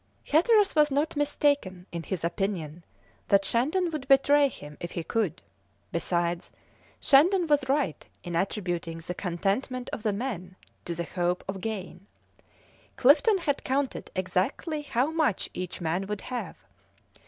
Hatteras was not mistaken in his opinion that Shandon would betray him if he could. Besides, Shandon was right in attributing the contentment of the men to the hope of gain. Clifton had counted exactly how much each man would have.